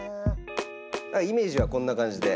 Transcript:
イメージはこんな感じで。